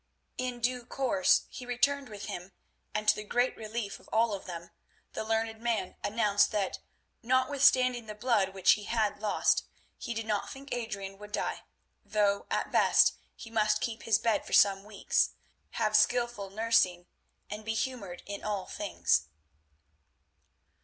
In due course he returned with him, and, to the great relief of all of them, the learned man announced that, notwithstanding the blood which he had lost, he did not think that Adrian would die, though, at the best, he must keep his bed for some weeks, have skilful nursing and be humoured in all things.